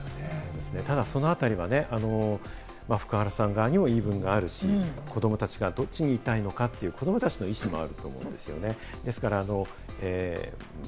ただそのあたりはね、福原さん側にも言い分があるし、子供たちがどっちにいたいのかという子供たちの意思もあると思うんですね。